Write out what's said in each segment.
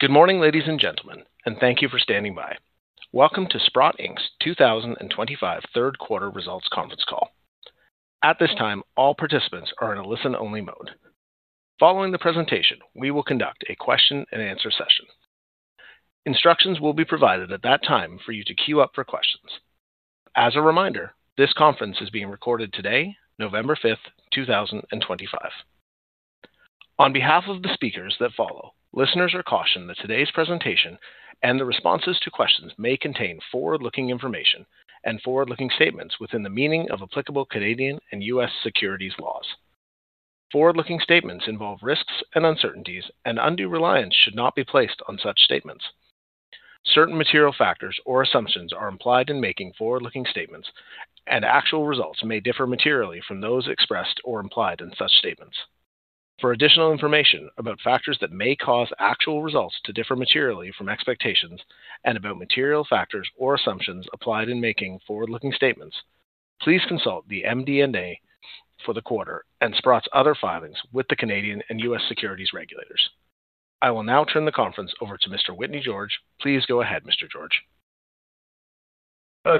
Good morning, ladies and gentlemen, and thank you for standing by. Welcome to Sprott's Inc 2025 third quarter results conference call. At this time, all participants are in a listen-only mode. Following the presentation, we will conduct a question-and-answer session. Instructions will be provided at that time for you to queue up for questions. As a reminder, this conference is being recorded today, November 5th, 2025. On behalf of the speakers that follow, listeners are cautioned that today's presentation and the responses to questions may contain forward-looking information and forward-looking statements within the meaning of applicable Canadian and U.S. securities laws. Forward-looking statements involve risks and uncertainties, and undue reliance should not be placed on such statements. Certain material factors or assumptions are implied in making forward-looking statements, and actual results may differ materially from those expressed or implied in such statements. For additional information about factors that may cause actual results to differ materially from expectations and about material factors or assumptions applied in making forward-looking statements, please consult the MD&A for the quarter and Sprott's other filings with the Canadian and U.S. securities regulators. I will now turn the conference over to Mr. Whitney George. Please go ahead, Mr. George.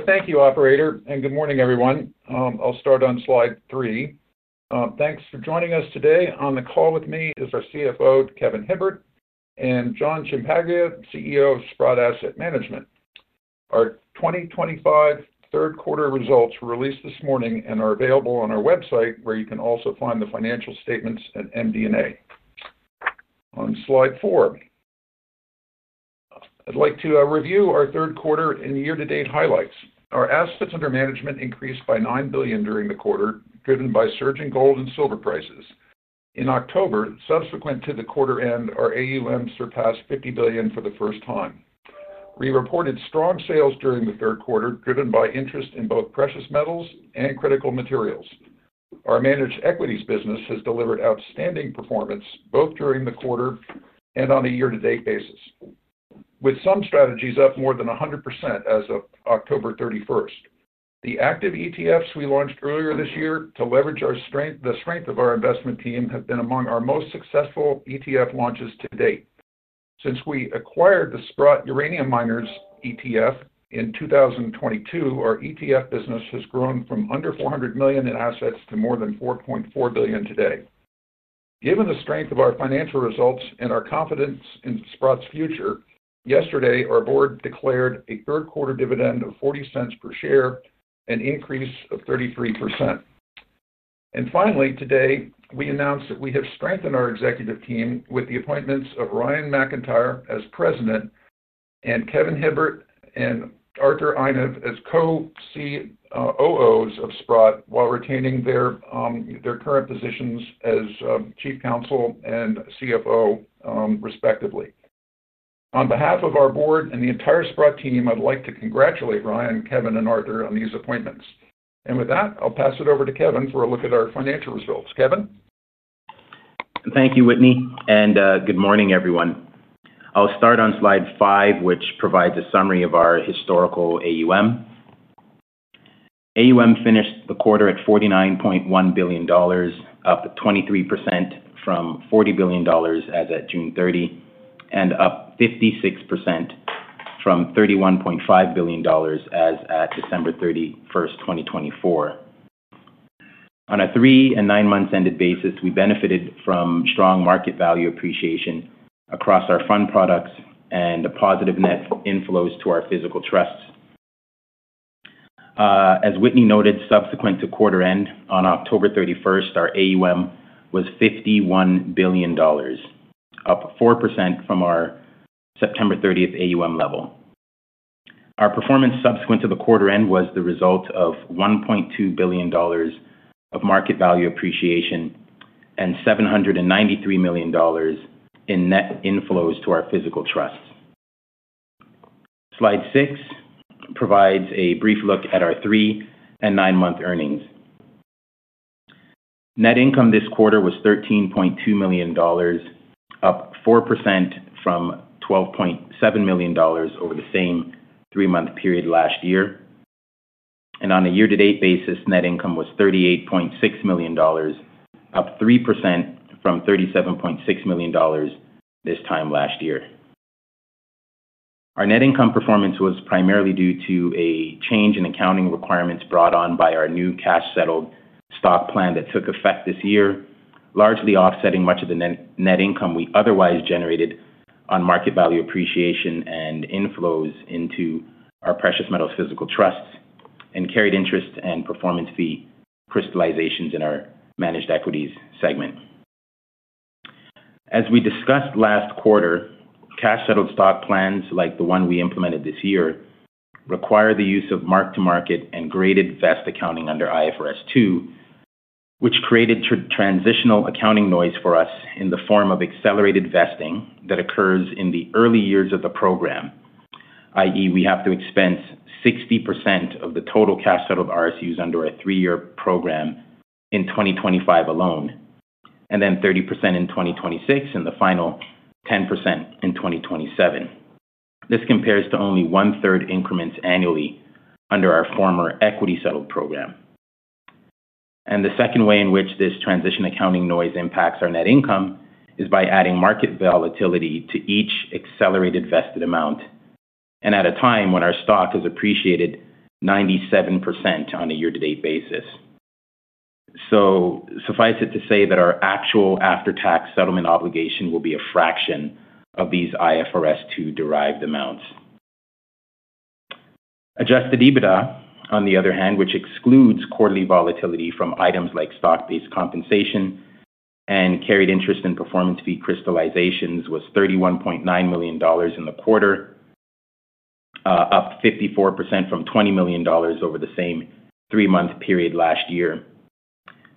Thank you, Operator, and good morning, everyone. I'll start on slide three. Thanks for joining us today. On the call with me is our CFO, Kevin Hibbert, and John Ciampaglia, CEO of Sprott Asset Management. Our 2025 third quarter results were released this morning and are available on our website, where you can also find the financial statements and MD&A. On slide four. I'd like to review our third quarter and year-to-date highlights. Our assets under management increased by $9 billion during the quarter, driven by surging gold and silver prices. In October, subsequent to the quarter end, our AUM surpassed $50 billion for the first time. We reported strong sales during the third quarter, driven by interest in both precious metals and critical materials. Our managed equities business has delivered outstanding performance both during the quarter and on a year-to-date basis, with some strategies up more than 100% as of October 31st. The active ETFs we launched earlier this year to leverage the strength of our investment team have been among our most successful ETF launches to date. Since we acquired the Sprott Uranium Miners ETF in 2022, our ETF business has grown from under $400 million in assets to more than $4.4 billion today. Given the strength of our financial results and our confidence in Sprott's future, yesterday, our board declared a third-quarter dividend of $0.40 per share, an increase of 33%. Finally, today, we announced that we have strengthened our executive team with the appointments of Ryan McIntyre as President, and Kevin Hibbert and Arthur Hyde as Co-COOs of Sprott while retaining their current positions as Chief Counsel and CFO, respectively. On behalf of our board and the entire Sprott team, I'd like to congratulate Ryan, Kevin, and Arthur on these appointments. With that, I'll pass it over to Kevin for a look at our financial results. Kevin. Thank you, Whitney, and good morning, everyone. I'll start on slide five, which provides a summary of our historical AUM. AUM finished the quarter at $49.1 billion, up 23% from $40 billion as at June 30, and up 56% from $31.5 billion as at December 31st, 2024. On a three- and nine-months-ended basis, we benefited from strong market value appreciation across our fund products and positive net inflows to our physical trusts. As Whitney noted, subsequent to quarter end, on October 31st, our AUM was $51 billion, up 4% from our September 30 AUM level. Our performance subsequent to the quarter end was the result of $1.2 billion of market value appreciation and $793 million in net inflows to our physical trusts. Slide six provides a brief look at our three- and nine-month earnings. Net income this quarter was $13.2 million. Up 4% from $12.7 million over the same three-month period last year. On a year-to-date basis, net income was $38.6 million, up 3% from $37.6 million this time last year. Our net income performance was primarily due to a change in accounting requirements brought on by our new cash-settled stock plan that took effect this year, largely offsetting much of the net income we otherwise generated on market value appreciation and inflows into our precious metals physical trusts and carried interest and performance fee crystallizations in our managed equities segment. As we discussed last quarter, cash-settled stock plans, like the one we implemented this year, require the use of mark-to-market and graded vest accounting under IFRS 2, which created transitional accounting noise for us in the form of accelerated vesting that occurs in the early years of the program. I.e., we have to expense 60% of the total cash-settled RSUs under a three-year program in 2025 alone, and then 30% in 2026, and the final 10% in 2027. This compares to only one-third increments annually under our former equity-settled program. The second way in which this transition accounting noise impacts our net income is by adding market volatility to each accelerated vested amount, at a time when our stock has appreciated 97% on a year-to-date basis. Suffice it to say that our actual after-tax settlement obligation will be a fraction of these IFRS 2-derived amounts. Adjusted EBITDA, on the other hand, which excludes quarterly volatility from items like stock-based compensation and carried interest and performance fee crystallizations, was $31.9 million in the quarter. Up 54% from $20 million over the same three-month period last year,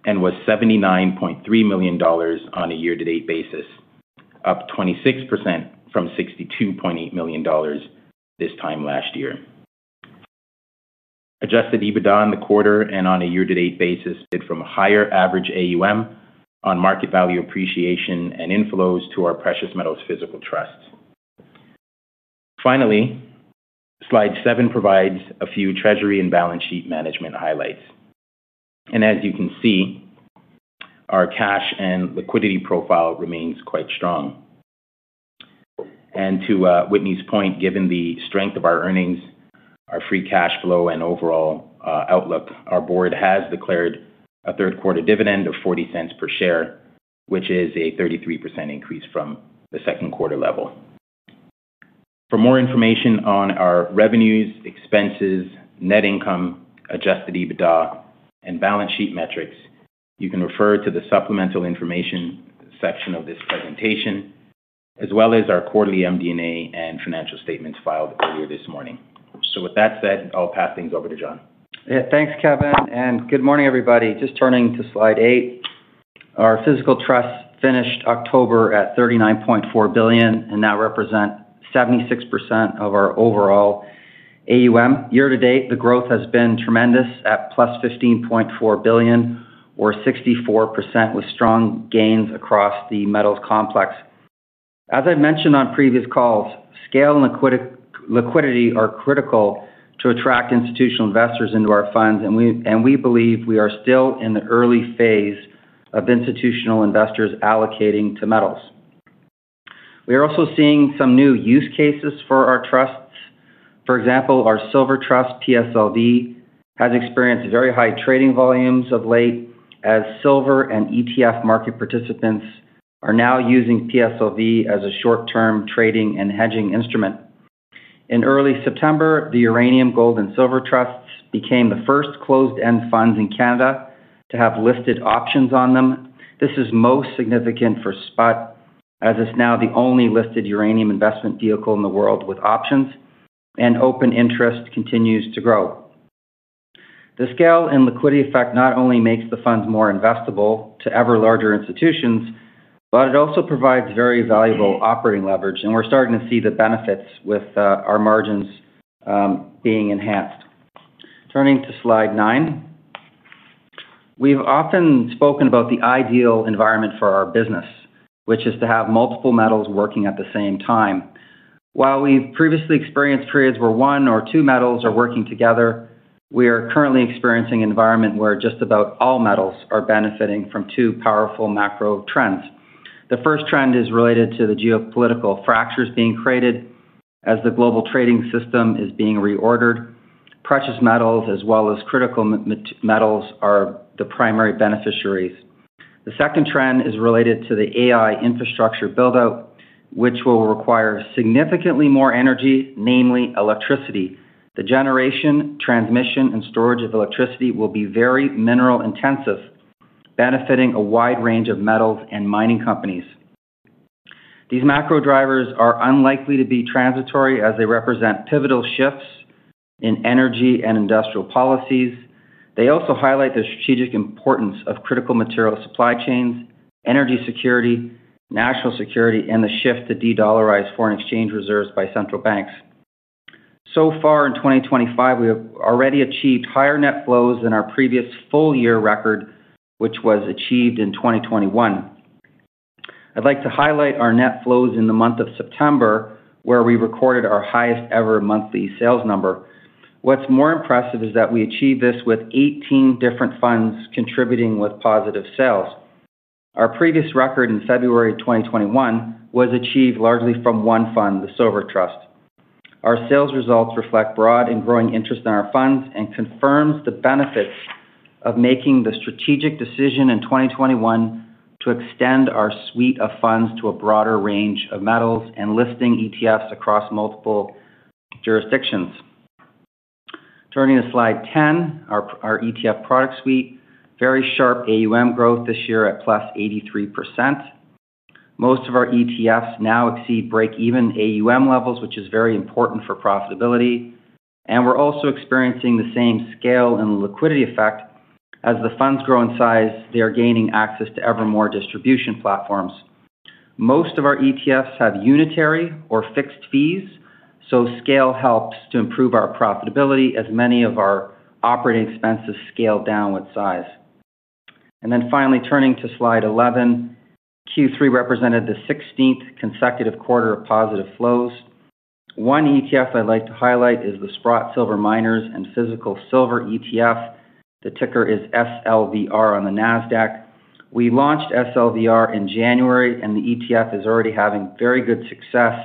and was $79.3 million on a year-to-date basis, up 26% from $62.8 million this time last year. Adjusted EBITDA in the quarter and on a year-to-date basis from a higher average AUM on market value appreciation and inflows to our precious metals physical trusts. Finally, slide seven provides a few treasury and balance sheet management highlights. As you can see, our cash and liquidity profile remains quite strong. To Whitney's point, given the strength of our earnings, our free cash flow, and overall outlook, our board has declared a third-quarter dividend of $0.40 per share, which is a 33% increase from the second quarter level. For more information on our revenues, expenses, net income, Adjusted EBITDA, and balance sheet metrics, you can refer to the supplemental information section of this presentation, as well as our quarterly MD&A and financial statements filed earlier this morning. With that said, I'll pass things over to John. Yeah, thanks, Kevin. Good morning, everybody. Just turning to slide eight. Our physical trusts finished October at $39.4 billion, and that represents 76% of our overall AUM. Year-to-date, the growth has been tremendous at plus $15.4 billion, or 64%, with strong gains across the metals complex. As I've mentioned on previous calls, scale and liquidity are critical to attract institutional investors into our funds, and we believe we are still in the early phase of institutional investors allocating to metals. We are also seeing some new use cases for our trusts. For example, our silver trust, PSLV, has experienced very high trading volumes of late as silver and ETF market participants are now using PSLV as a short-term trading and hedging instrument. In early September, the uranium, gold, and silver trusts became the first closed-end funds in Canada to have listed options on them. This is most significant for Sprott, as it's now the only listed uranium investment vehicle in the world with options, and open interest continues to grow. The scale and liquidity effect not only makes the funds more investable to ever-larger institutions, but it also provides very valuable operating leverage, and we're starting to see the benefits with our margins being enhanced. Turning to slide nine. We've often spoken about the ideal environment for our business, which is to have multiple metals working at the same time. While we've previously experienced periods where one or two metals are working together, we are currently experiencing an environment where just about all metals are benefiting from two powerful macro trends. The first trend is related to the geopolitical fractures being created as the global trading system is being reordered. Precious metals, as well as critical metals, are the primary beneficiaries. The second trend is related to the AI infrastructure build-out, which will require significantly more energy, namely electricity. The generation, transmission, and storage of electricity will be very mineral-intensive, benefiting a wide range of metals and mining companies. These macro drivers are unlikely to be transitory as they represent pivotal shifts in energy and industrial policies. They also highlight the strategic importance of critical material supply chains, energy security, national security, and the shift to de-dollarize foreign exchange reserves by central banks. So far in 2025, we have already achieved higher net flows than our previous full-year record, which was achieved in 2021. I'd like to highlight our net flows in the month of September, where we recorded our highest-ever monthly sales number. What's more impressive is that we achieved this with 18 different funds contributing with positive sales. Our previous record in February 2021 was achieved largely from one fund, the Silver Trust. Our sales results reflect broad and growing interest in our funds and confirm the benefits of making the strategic decision in 2021 to extend our suite of funds to a broader range of metals and listing ETFs across multiple jurisdictions. Turning to slide 10, our ETF product suite, very sharp AUM growth this year at +83%. Most of our ETFs now exceed break-even AUM levels, which is very important for profitability. We are also experiencing the same scale and liquidity effect. As the funds grow in size, they are gaining access to ever more distribution platforms. Most of our ETFs have unitary or fixed fees, so scale helps to improve our profitability as many of our operating expenses scale down with size. Finally, turning to slide 11. Q3 represented the 16th consecutive quarter of positive flows. One ETF I'd like to highlight is the Sprott Silver Miners & Physical Silver ETF. The ticker is SLVR on the NASDAQ. We launched SLVR in January, and the ETF is already having very good success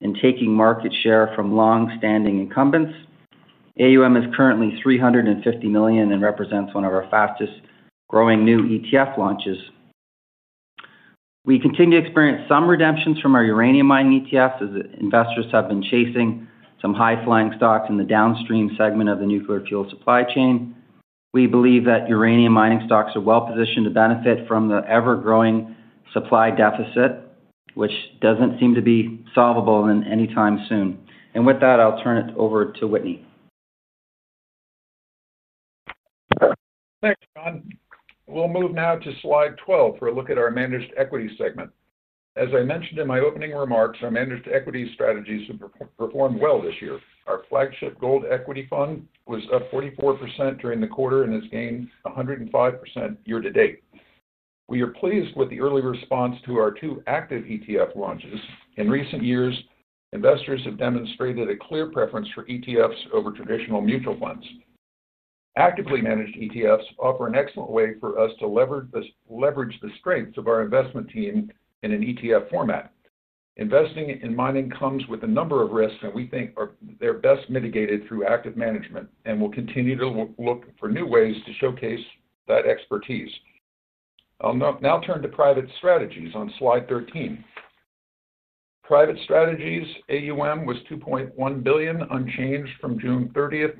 in taking market share from long-standing incumbents. AUM is currently $350 million and represents one of our fastest-growing new ETF launches. We continue to experience some redemptions from our uranium mining ETFs as investors have been chasing some high-flying stocks in the downstream segment of the nuclear fuel supply chain. We believe that uranium mining stocks are well-positioned to benefit from the ever-growing supply deficit, which doesn't seem to be solvable anytime soon. With that, I'll turn it over to Whitney. Thanks, John. We'll move now to slide 12 for a look at our managed equity segment. As I mentioned in my opening remarks, our managed equity strategies have performed well this year. Our flagship gold equity fund was up 44% during the quarter and has gained 105% year-to-date. We are pleased with the early response to our two active ETF launches. In recent years, investors have demonstrated a clear preference for ETFs over traditional mutual funds. Actively managed ETFs offer an excellent way for us to leverage the strengths of our investment team in an ETF format. Investing in mining comes with a number of risks that we think are best mitigated through active management and will continue to look for new ways to showcase that expertise. I'll now turn to private strategies on slide 13. Private strategies, AUM was $2.1 billion unchanged from June 30th.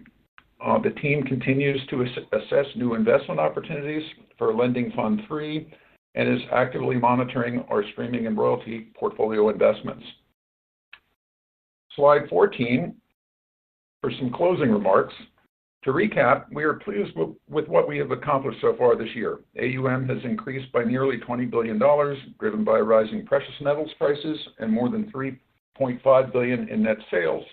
The team continues to assess new investment opportunities for lending fund three and is actively monitoring our streaming and royalty portfolio investments. Slide 14. For some closing remarks. To recap, we are pleased with what we have accomplished so far this year. AUM has increased by nearly $20 billion, driven by rising precious metals prices and more than $3.5 billion in net sales.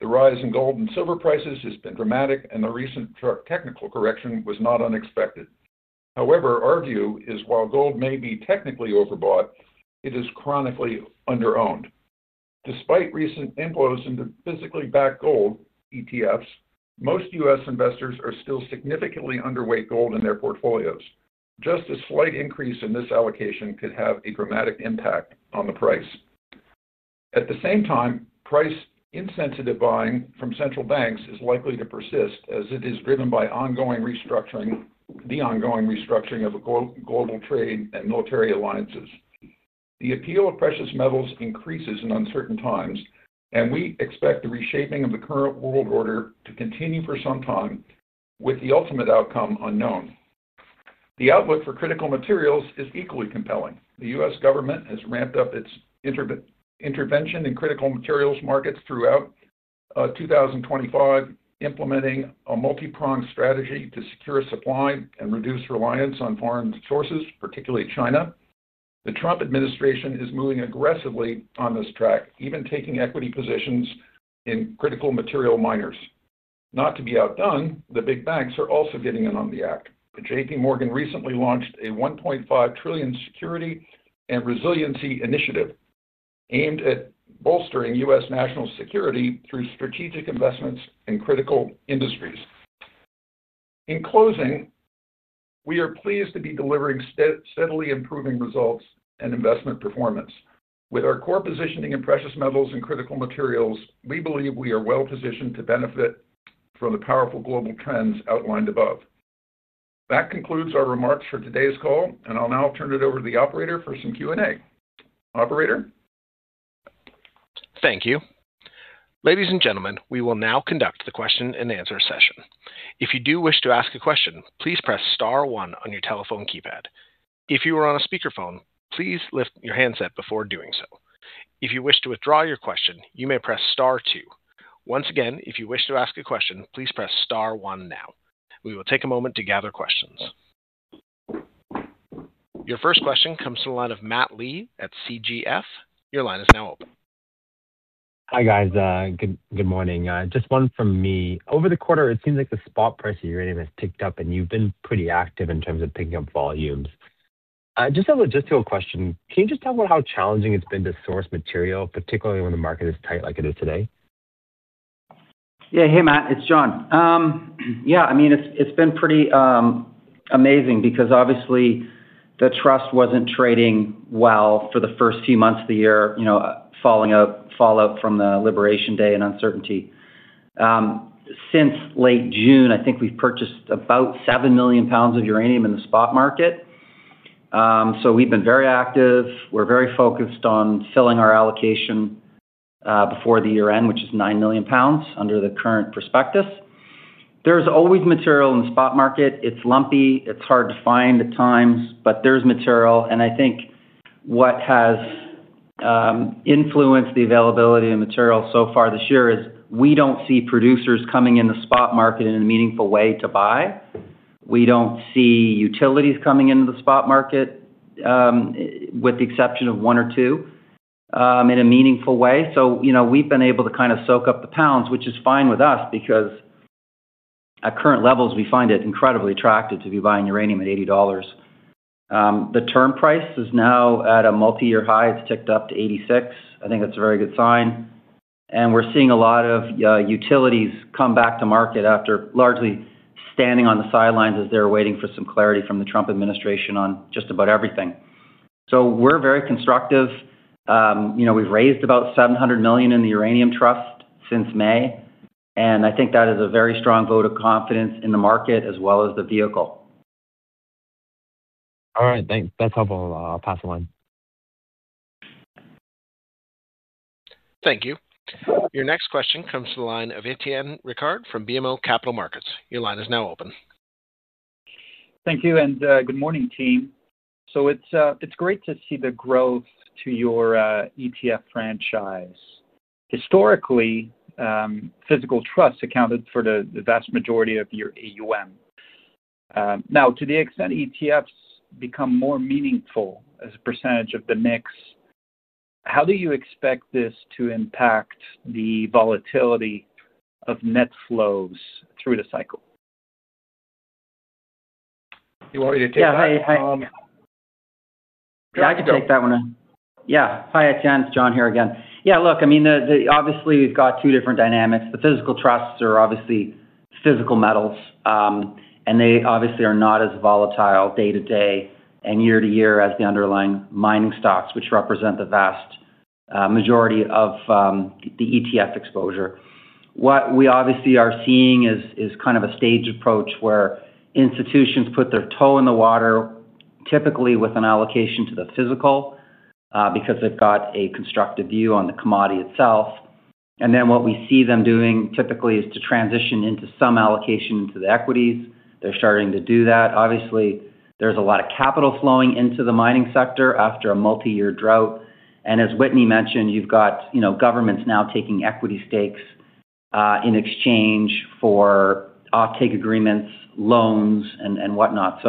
The rise in gold and silver prices has been dramatic, and the recent technical correction was not unexpected. However, our view is, while gold may be technically overbought, it is chronically under-owned. Despite recent inflows into physically backed gold ETFs, most U.S. investors are still significantly underweight gold in their portfolios. Just a slight increase in this allocation could have a dramatic impact on the price. At the same time, price insensitive buying from central banks is likely to persist as it is driven by the ongoing restructuring of global trade and military alliances. The appeal of precious metals increases in uncertain times, and we expect the reshaping of the current world order to continue for some time, with the ultimate outcome unknown. The outlook for critical materials is equally compelling. The U.S. government has ramped up its intervention in critical materials markets throughout 2025, implementing a multi-pronged strategy to secure supply and reduce reliance on foreign sources, particularly China. The Trump administration is moving aggressively on this track, even taking equity positions in critical material miners. Not to be outdone, the big banks are also getting in on the act. JPMorgan recently launched a $1.5 trillion security and resiliency initiative aimed at bolstering U.S. national security through strategic investments in critical industries. In closing. We are pleased to be delivering steadily improving results and investment performance. With our core positioning in precious metals and critical materials, we believe we are well-positioned to benefit from the powerful global trends outlined above. That concludes our remarks for today's call, and I'll now turn it over to the operator for some Q&A. Operator. Thank you. Ladies and gentlemen, we will now conduct the question-and-answer session. If you do wish to ask a question, please press star one on your telephone keypad. If you are on a speakerphone, please lift your handset before doing so. If you wish to withdraw your question, you may press star two. Once again, if you wish to ask a question, please press star one now. We will take a moment to gather questions. Your first question comes from the line of Matt Lee at CGF. Your line is now open. Hi, guys. Good morning. Just one from me. Over the quarter, it seems like the spot price of uranium has ticked up, and you've been pretty active in terms of picking up volumes. Just a logistical question. Can you just tell me how challenging it's been to source material, particularly when the market is tight like it is today? Yeah. Hey, Matt. It's John. Yeah, I mean, it's been pretty amazing because, obviously, the trust wasn't trading well for the first few months of the year, falling out from the liberation day and uncertainty. Since late June, I think we've purchased about 7 million pounds of uranium in the spot market. We've been very active. We're very focused on filling our allocation before the year-end, which is 9 million pounds under the current prospectus. There's always material in the spot market. It's lumpy. It's hard to find at times, but there's material. I think what has influenced the availability of material so far this year is we don't see producers coming in the spot market in a meaningful way to buy. We don't see utilities coming into the spot market, with the exception of one or two, in a meaningful way. We have been able to kind of soak up the pounds, which is fine with us because at current levels, we find it incredibly attractive to be buying uranium at $80. The term price is now at a multi-year high. It has ticked up to $86. I think that is a very good sign. We are seeing a lot of utilities come back to market after largely standing on the sidelines as they are waiting for some clarity from the Trump administration on just about everything. We are very constructive. We have raised about $700 million in the uranium trust since May. I think that is a very strong vote of confidence in the market as well as the vehicle. All right. Thanks. That's helpful. I'll pass it on. Thank you. Your next question comes from the line of Étienne Ricard from BMO Capital Markets. Your line is now open. Thank you. Good morning, team. It's great to see the growth to your ETF franchise. Historically, physical trusts accounted for the vast majority of your AUM. Now, to the extent ETFs become more meaningful as a percentage of the mix, how do you expect this to impact the volatility of net flows through the cycle? Do you want me to take that one? Yeah. Yeah, I can take that one in. Yeah. Hi, Étienne. It's John here again. Yeah, look, I mean, obviously, we've got two different dynamics. The physical trusts are obviously physical metals. And they obviously are not as volatile day-to-day and year-to-year as the underlying mining stocks, which represent the vast majority of the ETF exposure. What we obviously are seeing is kind of a staged approach where institutions put their toe in the water, typically with an allocation to the physical because they've got a constructive view on the commodity itself. And then what we see them doing typically is to transition into some allocation into the equities. They're starting to do that. Obviously, there's a lot of capital flowing into the mining sector after a multi-year drought. As Whitney mentioned, you've got governments now taking equity stakes in exchange for offtake agreements, loans, and whatnot.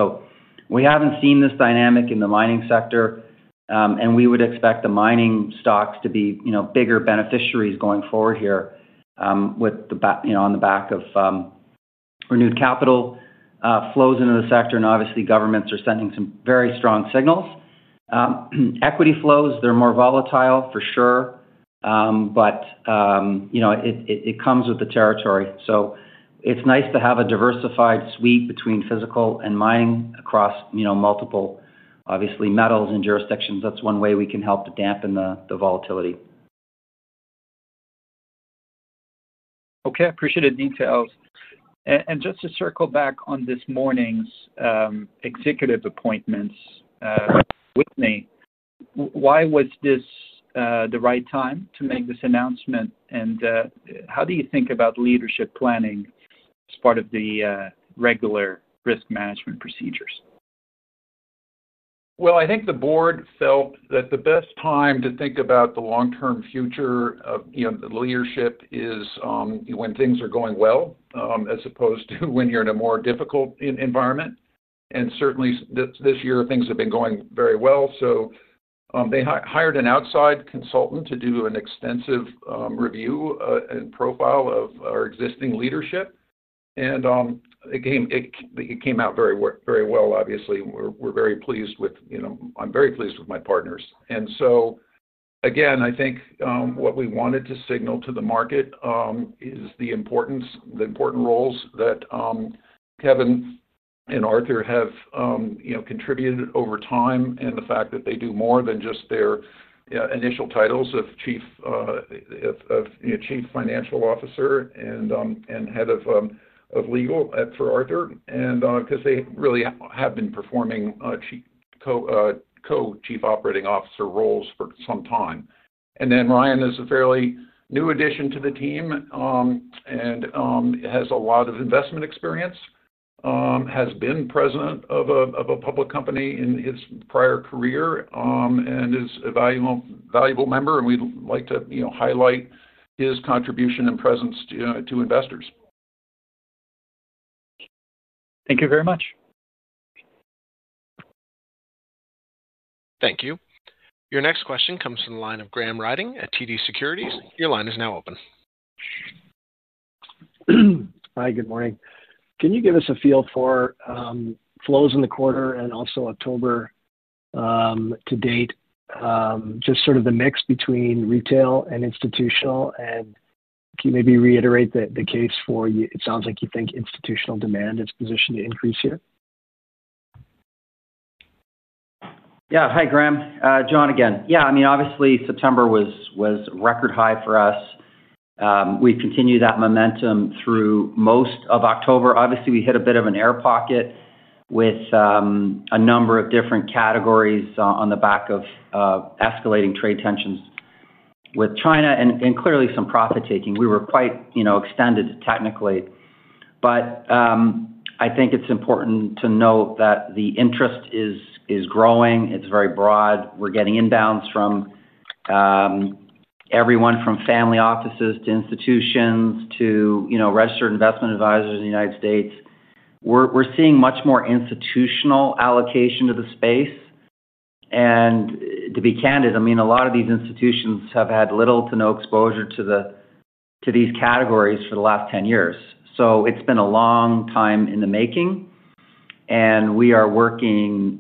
We haven't seen this dynamic in the mining sector. We would expect the mining stocks to be bigger beneficiaries going forward here on the back of renewed capital flows into the sector. Obviously, governments are sending some very strong signals. Equity flows, they're more volatile, for sure. It comes with the territory. It's nice to have a diversified suite between physical and mining across multiple, obviously, metals and jurisdictions. That's one way we can help to dampen the volatility. Okay. Appreciate the details. Just to circle back on this morning's executive appointments, with me, why was this the right time to make this announcement? How do you think about leadership planning as part of the regular risk management procedures? I think the board felt that the best time to think about the long-term future of the leadership is when things are going well, as opposed to when you're in a more difficult environment. Certainly, this year, things have been going very well. They hired an outside consultant to do an extensive review and profile of our existing leadership. It came out very well, obviously. We're very pleased with—I'm very pleased with my partners. I think what we wanted to signal to the market is the importance, the important roles that Kevin and Arthur have contributed over time and the fact that they do more than just their initial titles of Chief Financial Officer and Head of Legal for Arthur. They really have been performing Co-Chief Operating Officer roles for some time. Ryan is a fairly new addition to the team. He has a lot of investment experience. He has been President of a public company in his prior career. He is a valuable member. We would like to highlight his contribution and presence to investors. Thank you very much. Thank you. Your next question comes from the line of Graham Ryding at TD Securities. Your line is now open. Hi, good morning. Can you give us a feel for flows in the quarter and also October to date? Just sort of the mix between retail and institutional. Can you maybe reiterate the case for you? It sounds like you think institutional demand is positioned to increase here. Yeah. Hi, Graham. John again. Yeah. I mean, obviously, September was record high for us. We've continued that momentum through most of October. Obviously, we hit a bit of an air pocket with a number of different categories on the back of escalating trade tensions with China and clearly some profit-taking. We were quite extended technically. I think it's important to note that the interest is growing. It's very broad. We're getting inbounds from everyone, from family offices to institutions to registered investment advisors in the United States. We're seeing much more institutional allocation to the space. And to be candid, I mean, a lot of these institutions have had little to no exposure to these categories for the last 10 years. It has been a long time in the making. We are working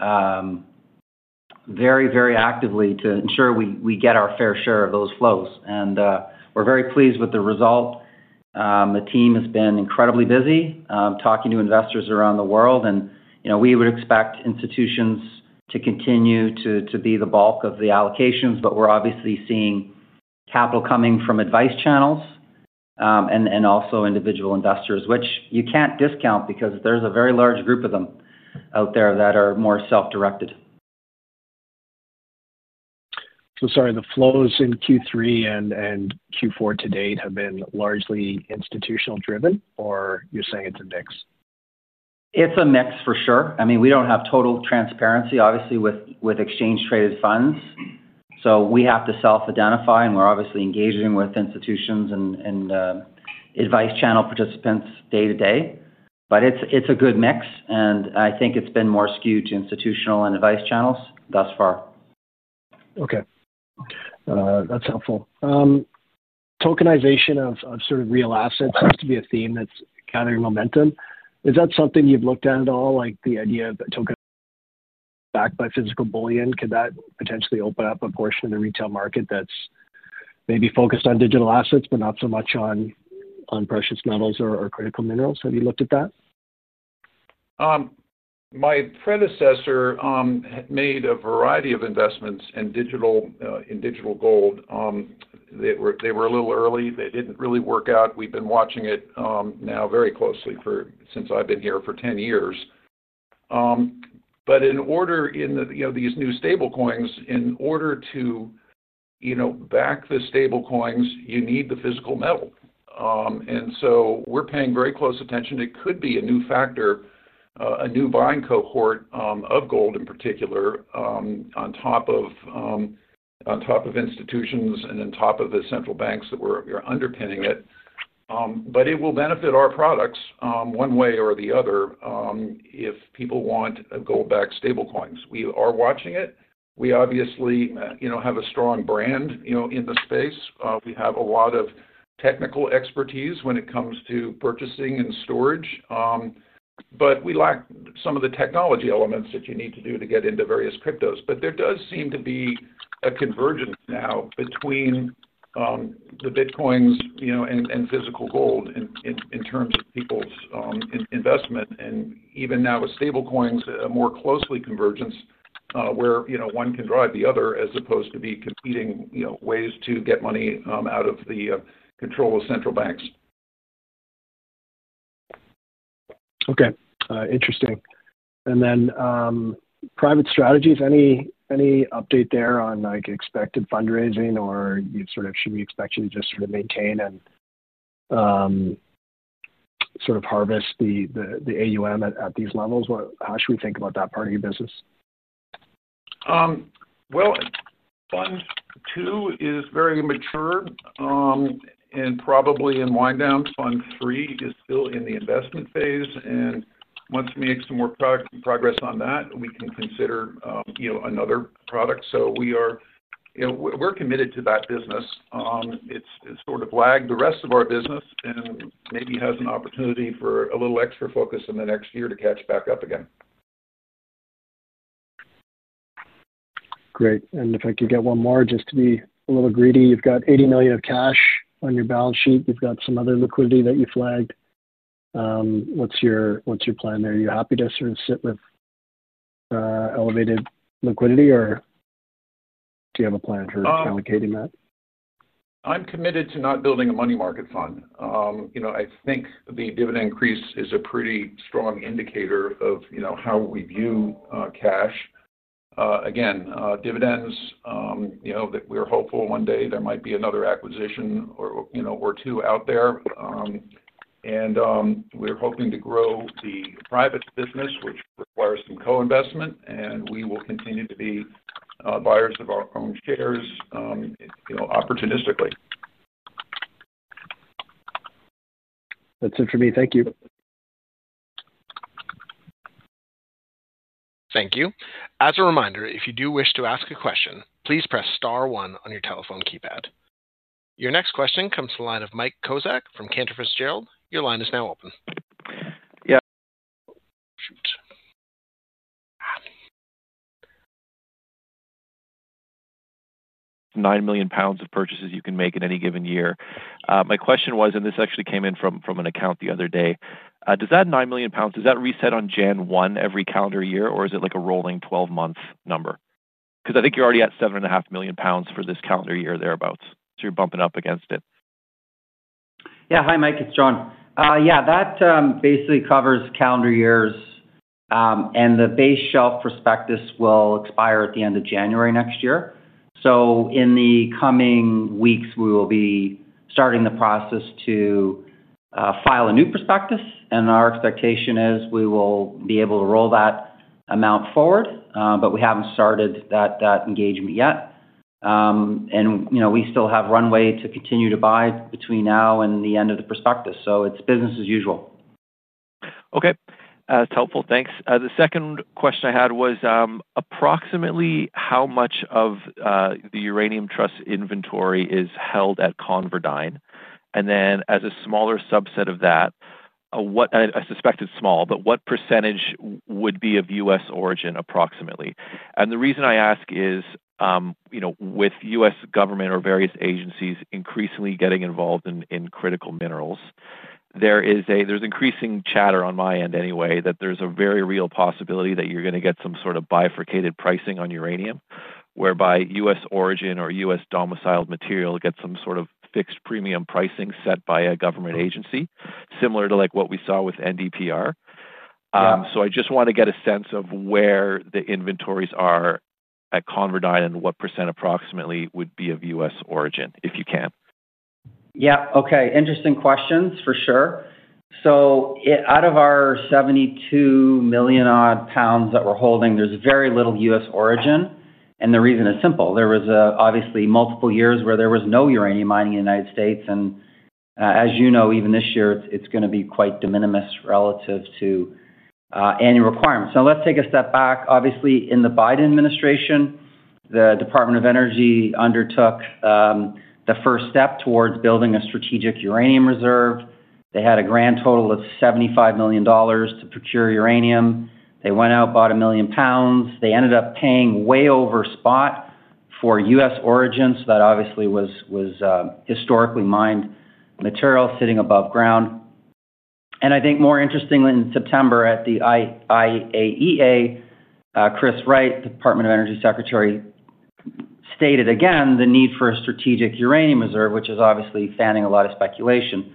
very, very actively to ensure we get our fair share of those flows. We are very pleased with the result. The team has been incredibly busy talking to investors around the world. We would expect institutions to continue to be the bulk of the allocations. We are obviously seeing capital coming from advice channels and also individual investors, which you cannot discount because there is a very large group of them out there that are more self-directed. Sorry, the flows in Q3 and Q4 to date have been largely institutional-driven, or you're saying it's a mix? It's a mix, for sure. I mean, we don't have total transparency, obviously, with exchange-traded funds. So we have to self-identify. We're obviously engaging with institutions and advice channel participants day-to-day. It's a good mix. I think it's been more skewed to institutional and advice channels thus far. Okay. That's helpful. Tokenization of sort of real assets seems to be a theme that's gathering momentum. Is that something you've looked at at all, like the idea of token backed by physical bullion? Could that potentially open up a portion of the retail market that's maybe focused on digital assets but not so much on precious metals or critical minerals? Have you looked at that? My predecessor made a variety of investments in digital gold. They were a little early. They didn't really work out. We've been watching it now very closely since I've been here for 10 years. In order for these new stablecoins—in order to back the stablecoins, you need the physical metal. We're paying very close attention. It could be a new factor, a new buying cohort of gold in particular, on top of institutions and on top of the central banks that are underpinning it. It will benefit our products one way or the other. If people want gold-backed stablecoins, we are watching it. We obviously have a strong brand in the space. We have a lot of technical expertise when it comes to purchasing and storage. We lack some of the technology elements that you need to do to get into various cryptos. There does seem to be a convergence now between the bitcoins and physical gold in terms of people's investment. Even now with stablecoins, a more closely convergence where one can drive the other as opposed to be competing ways to get money out of the control of central banks. Okay. Interesting. Private strategies, any update there on expected fundraising or should we expect you to just sort of maintain and sort of harvest the AUM at these levels? How should we think about that part of your business? Fund two is very mature. And probably in wind down. Fund three is still in the investment phase. And once we make some more progress on that, we can consider another product. So we're committed to that business. It's sort of lagged the rest of our business and maybe has an opportunity for a little extra focus in the next year to catch back up again. Great. If I could get one more, just to be a little greedy, you've got $80 million of cash on your balance sheet. You've got some other liquidity that you flagged. What's your plan there? Are you happy to sort of sit with elevated liquidity, or do you have a plan for allocating that? I'm committed to not building a money market fund. I think the dividend increase is a pretty strong indicator of how we view cash. Again, dividends. We are hopeful one day there might be another acquisition or two out there. We are hoping to grow the private business, which requires some co-investment. We will continue to be buyers of our own shares. Opportunistically. That's it for me. Thank you. Thank you. As a reminder, if you do wish to ask a question, please press star one on your telephone keypad. Your next question comes to the line of Mike Kozak from Cantor Fitzgerald. Your line is now open. Yeah. Shoot. 9 million pounds of purchases you can make in any given year. My question was, and this actually came in from an account the other day, does that 9 million pounds, does that reset on January 1 every calendar year, or is it like a rolling 12-month number? Because I think you're already at 7.5 million pounds for this calendar year thereabouts. So you're bumping up against it. Yeah. Hi, Mike. It's John. Yeah. That basically covers calendar years. The base shelf prospectus will expire at the end of January next year. In the coming weeks, we will be starting the process to file a new prospectus. Our expectation is we will be able to roll that amount forward. We haven't started that engagement yet. We still have runway to continue to buy between now and the end of the prospectus. It's business as usual. Okay. That's helpful. Thanks. The second question I had was, approximately how much of the Uranium Trust inventory is held at ConverDyn? And then as a smaller subset of that, I suspect it's small, but what percentage would be of US origin, approximately? The reason I ask is, with U.S. government or various agencies increasingly getting involved in critical minerals, there's increasing chatter on my end anyway that there's a very real possibility that you're going to get some sort of bifurcated pricing on uranium, whereby US origin or US domiciled material gets some sort of fixed premium pricing set by a government agency, similar to what we saw with NDPR. I just want to get a sense of where the inventories are at ConverDyn and what percent approximately would be of US origin, if you can. Yeah. Okay. Interesting questions, for sure. Out of our 72 million-odd pounds that we're holding, there's very little U.S. origin. The reason is simple. There were obviously multiple years where there was no uranium mining in the United States. As you know, even this year, it's going to be quite de minimis relative to annual requirements. Let's take a step back. Obviously, in the Biden administration, the Department of Energy undertook the first step towards building a strategic uranium reserve. They had a grand total of $75 million to procure uranium. They went out, bought a million pounds. They ended up paying way over spot for U.S. origin. That obviously was historically mined material sitting above ground. I think more interestingly, in September, at the IAEA. Chris Wright, the Department of Energy Secretary, stated again the need for a strategic uranium reserve, which is obviously fanning a lot of speculation.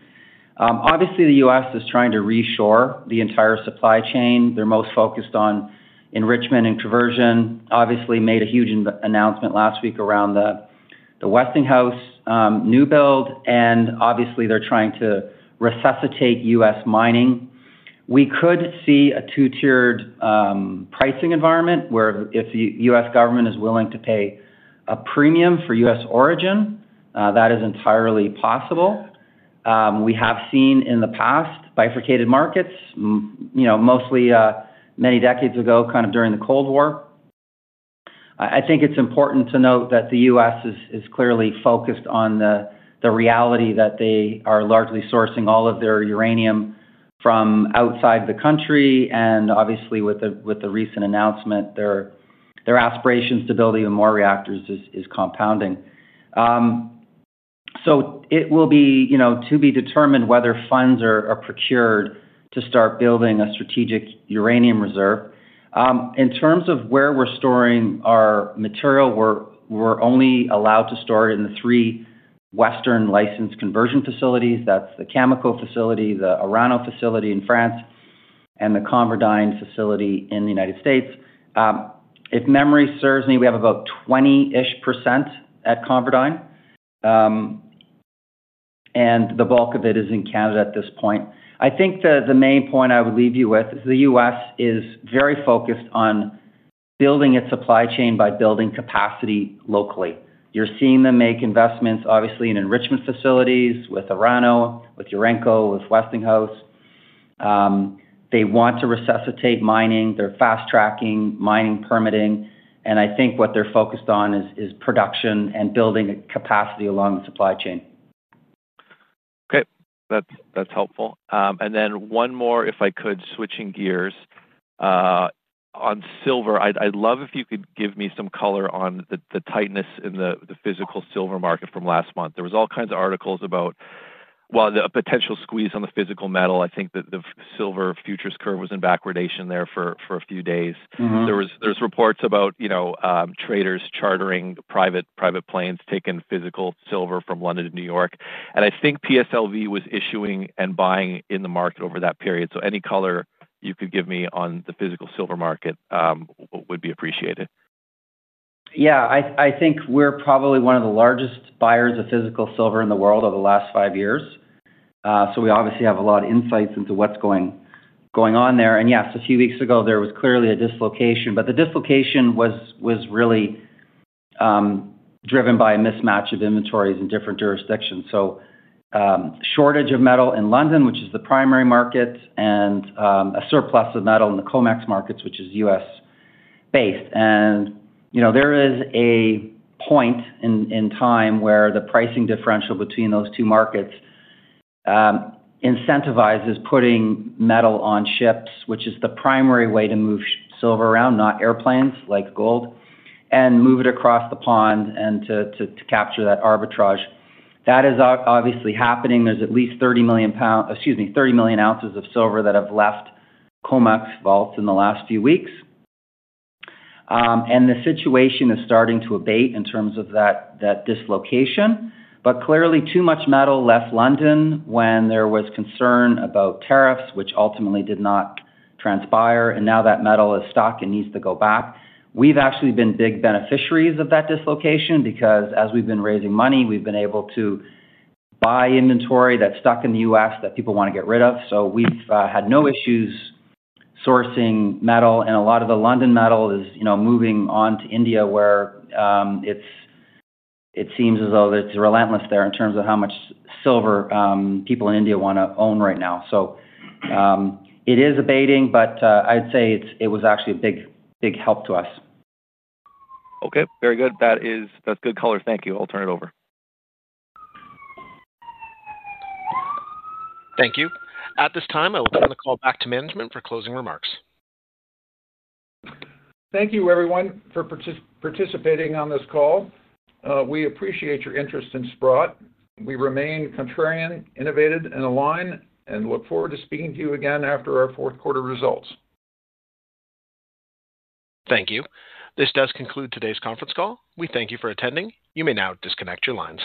Obviously, the U.S. is trying to reshore the entire supply chain. They're most focused on enrichment and conversion. Obviously, made a huge announcement last week around the Westinghouse new build. Obviously, they're trying to resuscitate U.S. mining. We could see a two-tiered pricing environment where if the U.S. government is willing to pay a premium for U.S. origin, that is entirely possible. We have seen in the past bifurcated markets, mostly many decades ago, kind of during the Cold War. I think it's important to note that the U.S. is clearly focused on the reality that they are largely sourcing all of their uranium from outside the country. Obviously, with the recent announcement, their aspirations to build even more reactors is compounding. It will be to be determined whether funds are procured to start building a strategic uranium reserve. In terms of where we're storing our material, we're only allowed to store it in the three Western-licensed conversion facilities. That's the Cameco facility, the Orano facility in France, and the ConverDyn facility in the United States. If memory serves me, we have about 20% at ConverDyn. The bulk of it is in Canada at this point. I think the main point I would leave you with is the U.S. is very focused on building its supply chain by building capacity locally. You're seeing them make investments, obviously, in enrichment facilities with Orano, with Urenco, with Westinghouse. They want to resuscitate mining. They're fast-tracking mining permitting. I think what they're focused on is production and building capacity along the supply chain. Okay. That's helpful. One more, if I could, switching gears. On silver, I'd love if you could give me some color on the tightness in the physical silver market from last month. There were all kinds of articles about a potential squeeze on the physical metal. I think that the silver futures curve was in backwardation there for a few days. There were reports about traders chartering private planes taking physical silver from London to New York. I think PSLV was issuing and buying in the market over that period. Any color you could give me on the physical silver market would be appreciated. Yeah. I think we're probably one of the largest buyers of physical silver in the world over the last five years. So we obviously have a lot of insights into what's going on there. Yes, a few weeks ago, there was clearly a dislocation. The dislocation was really driven by a mismatch of inventories in different jurisdictions. Shortage of metal in London, which is the primary market, and a surplus of metal in the COMEX markets, which is U.S. based. There is a point in time where the pricing differential between those two markets incentivizes putting metal on ships, which is the primary way to move silver around, not airplanes like gold, and move it across the pond to capture that arbitrage. That is obviously happening. There's at least 30 million pounds—excuse me—30 million ounces of silver that have left COMEX vaults in the last few weeks. The situation is starting to abate in terms of that dislocation. Clearly, too much metal left London when there was concern about tariffs, which ultimately did not transpire. Now that metal is stuck and needs to go back. We've actually been big beneficiaries of that dislocation because, as we've been raising money, we've been able to buy inventory that's stuck in the US that people want to get rid of. We've had no issues sourcing metal. A lot of the London metal is moving on to India where it seems as though it's relentless there in terms of how much silver people in India want to own right now. It is abating, but I'd say it was actually a big help to us. Okay. Very good. That's good color. Thank you. I'll turn it over. Thank you. At this time, I will turn the call back to management for closing remarks. Thank you, everyone, for participating on this call. We appreciate your interest in Sprott. We remain contrarian, innovative, and aligned, and look forward to speaking to you again after our fourth quarter results. Thank you. This does conclude today's conference call. We thank you for attending. You may now disconnect your lines.